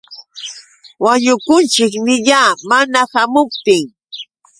Wañukunćhi niyaa. Mana ćhaamuptin.